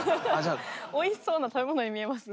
おいしそうな食べ物に見えます。